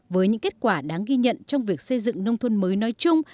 với những kết quả đáng ghi nhận trong việc xây dựng nông thôn mới nói chung